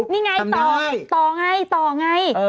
นี่ไงต่อต่อไงต่อไง